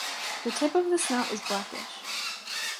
The tip of the snout is blackish.